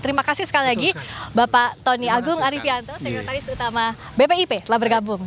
terima kasih sekali lagi bapak tony agung arifianto sekretaris utama bpip telah bergabung